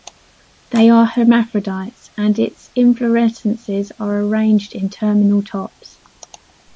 They are hermaphrodites and its inflorescences are arranged in terminal tops.